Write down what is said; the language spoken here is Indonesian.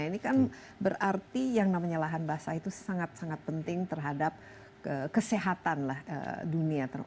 ini kan berarti yang namanya lahan basah itu sangat sangat penting terhadap kesehatan dunia